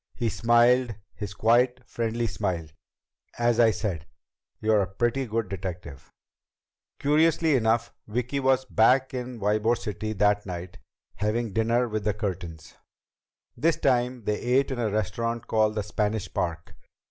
He smiled his quiet, friendly smile. "As I said, you're a pretty good detective." Curiously enough, Vicki was back in Ybor City that night, having dinner with the Curtins. This time they ate in a restaurant called the Spanish Park.